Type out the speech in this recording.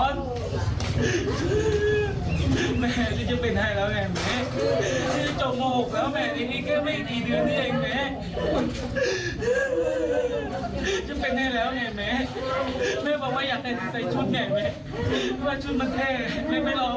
ดีทำไมแม่ฝ่าเฝ้าไปคุมเต็ม